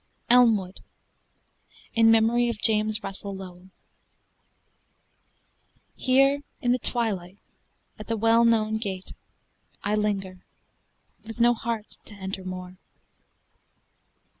ELMWOOD In Memory of James Russell Lowell Here, in the twilight, at the well known gate I linger, with no heart to enter more.